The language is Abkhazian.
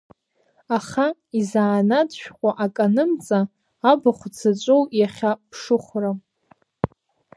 Аха, изанааҭ шәҟәы ак анымҵа, абахә дзаҿоу иахьа ԥшыхәрам…